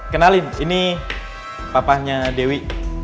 kenalin ini papahnya dewi